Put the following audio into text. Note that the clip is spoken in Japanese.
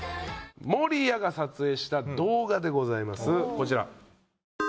守屋が撮影した動画でございますこちら。